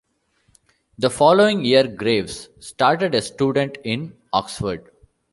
The following year Graves started as a student in Oxford.